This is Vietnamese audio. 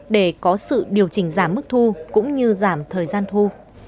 để có sự điều chỉnh giảm mức thu cũng như giảm thời gian thu